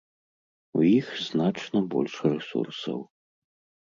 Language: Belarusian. У іх значна больш рэсурсаў.